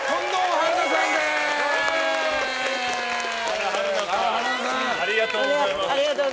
春菜さんありがとうございます。